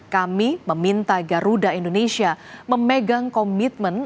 kami meminta garuda indonesia memegang komitmen